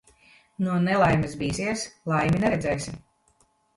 No nelaimes bīsies, laimi neredzēsi.